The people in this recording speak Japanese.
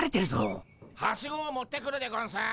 ・はしごを持ってくるでゴンス。